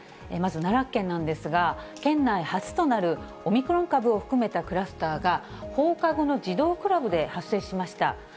まず奈良県なんですが、県内初となるオミクロン株を含めたクラスターが、放課後の児童クラブで発生しました。